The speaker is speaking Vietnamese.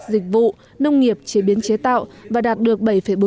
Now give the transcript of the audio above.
dịch vụ nông nghiệp chế biến chế tạo và đạt được bảy bốn mươi sáu